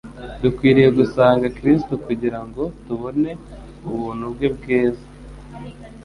Dukwiriye gusanga Kristo kugira ngo tubone ubuntu bwe bweza.